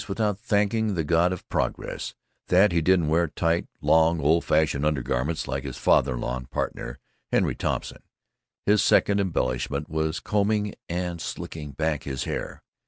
's without thanking the God of Progress that he didn't wear tight, long, old fashioned undergarments, like his father in law and partner, Henry Thompson. His second embellishment was combing and slicking back his hair.